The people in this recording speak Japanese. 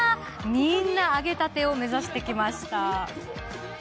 みんな揚げたてを目指してきました。